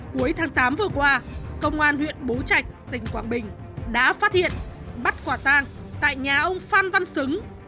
cuối tháng tám vừa qua công an huyện bố trạch tỉnh quảng bình đã phát hiện bắt quả tang tại nhà ông phan văn xứng